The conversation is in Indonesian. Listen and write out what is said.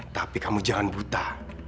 tapi kamu jangan buta